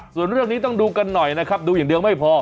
ส่วนเรื่องนี้ต้องดูกันหน่อยนะครับดูอย่างเดียวไม่พอ